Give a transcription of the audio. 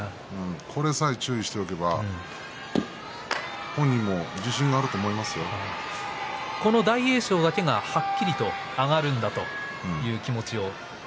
これさえ注意しておけば大栄翔だけがはっきりと上がるんだという気持ちをあらわしています。